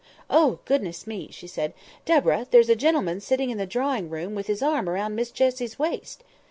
"Oh, goodness me!" she said. "Deborah, there's a gentleman sitting in the drawing room with his arm round Miss Jessie's waist!"